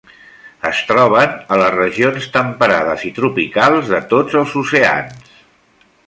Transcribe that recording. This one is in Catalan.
Es troben a les regions temperades i tropicals de tots els oceans.